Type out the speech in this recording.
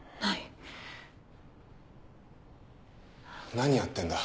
何やってんだ？